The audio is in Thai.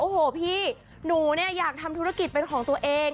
โอ้โหพี่หนูเนี่ยอยากทำธุรกิจเป็นของตัวเอง